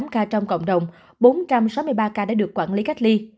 ba năm trăm bốn mươi tám ca trong cộng đồng bốn trăm sáu mươi ba ca đã được quản lý cách ly